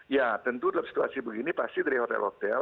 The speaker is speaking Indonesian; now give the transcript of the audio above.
ya tentu dalam situasi begini pasti dari hotel hotel